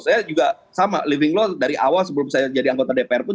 saya juga sama living law dari awal sebelum saya jadi anggota dpr pun